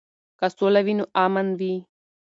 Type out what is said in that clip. که سوله وي نو امان وي.